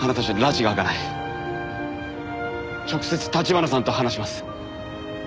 直接立花さんと話します。